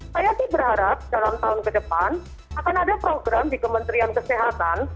saya sih berharap dalam tahun ke depan akan ada program di kementerian kesehatan